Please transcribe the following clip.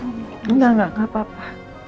enggak enggak apa apa